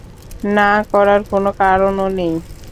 না করার কোন কারণও নেই।